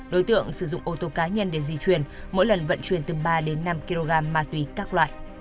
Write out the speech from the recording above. đối tượng sử dụng ô tô cá nhân để di chuyển mỗi lần vận chuyển từ ba đến năm kg ma túy các loại